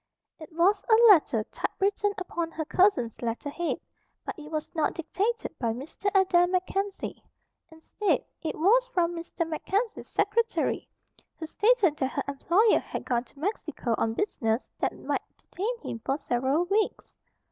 It was a letter typewritten upon her cousin's letter head; but it was not dictated by Mr. Adair MacKenzie. Instead, it was from Mr. MacKenzie's secretary, who stated that her employer had gone to Mexico on business that might detain him for several weeks.